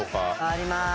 ありまーす。